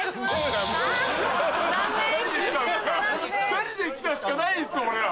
「チャリで来た」しかないですよ